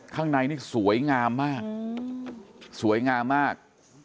ข้างในนี่สวยงามมาก